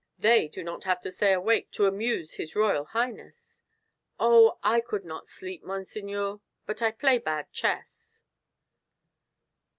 "They do not have to stay awake to amuse his Royal Highness." "Oh, I could not sleep, monseigneur. But I play bad chess."